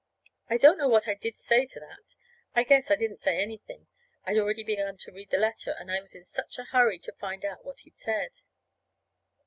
I don't know what I did say to that. I guess I didn't say anything. I'd already begun to read the letter, and I was in such a hurry to find out what he'd said.